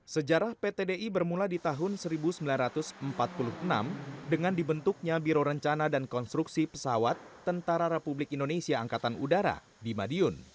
sejarah ptdi bermula di tahun seribu sembilan ratus empat puluh enam dengan dibentuknya biro rencana dan konstruksi pesawat tentara republik indonesia angkatan udara di madiun